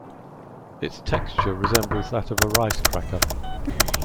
Its texture resembles that of a rice cracker.